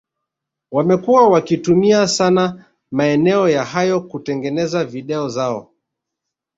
wamekuwa wakitumia sana maeneo ya hayo kutengeneza video zao